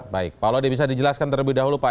baik pak laude bisa dijelaskan terlebih dahulu pak